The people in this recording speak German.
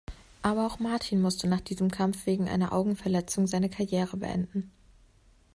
Aber auch Martin musste nach diesem Kampf wegen einer Augenverletzung seine Karriere beenden.